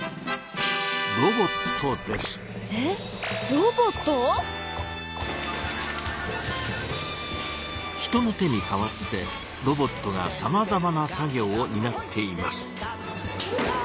ロボット⁉人の手に代わってロボットがさまざまな作業をになっています。